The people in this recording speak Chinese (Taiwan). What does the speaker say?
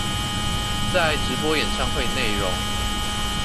在直播演唱會內容